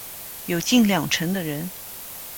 有近两成的人